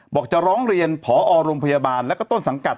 จะร้องเรียนพอโรงพยาบาลแล้วก็ต้นสังกัด